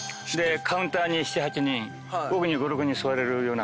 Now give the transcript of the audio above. カウンターに７８人奥に５６人座れるような店があって。